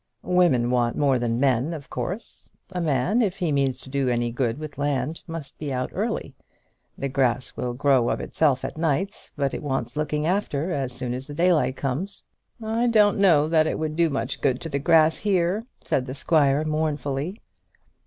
"Women want more than men, of course. A man, if he means to do any good with land, must be out early. The grass will grow of itself at nights, but it wants looking after as soon as the daylight comes." "I don't know that it would do much good to the grass here," said the squire, mournfully.